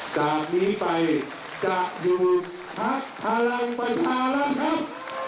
จากนี้ไปจะอยู่พักพลังประชารัฐครับ